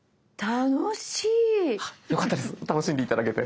楽しんで頂けて。